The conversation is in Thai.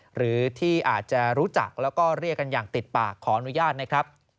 หรือที่อาจจะรู้จักแล้วก็เรียกกันอย่างติดปากขออนุญาตนะครับ